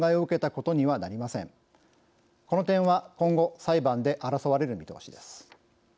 この点は今後裁判で争われる見通しです。